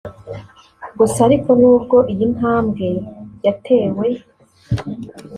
Gusa ariko nubwo iyi ntambwe yatewe